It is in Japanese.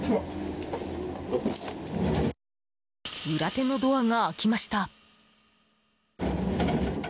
裏手のドアが開きました。